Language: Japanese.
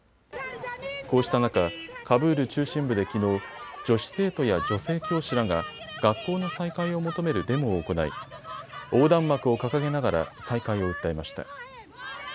こうした中、カブール中心部できのう、女子生徒や女性教師らが学校の再開を求めるデモを行い横断幕を掲げながら再開を訴えました。